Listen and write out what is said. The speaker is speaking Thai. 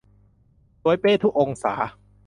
สวยเป๊ะทุกองศา